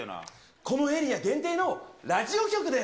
このエリア限定の、ラジオ局です。